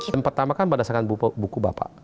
yang pertama kan berdasarkan buku bapak